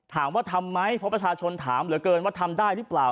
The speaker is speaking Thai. ถามว่าทำไหมเพราะประชาชนถามเหลือเกินว่าทำได้หรือเปล่า